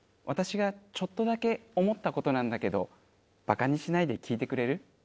私がちょっとだけ思った事なんだけどバカにしないで聞いてくれる？